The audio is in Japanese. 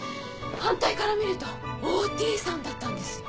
反対から見るとＯ・Ｔさんだったんです。